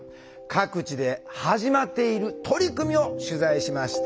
各地で始まっている取り組みを取材しました。